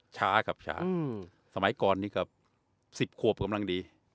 ช้ากับช้าสมัยก่อนก็๑๐บาทกับกำลังดี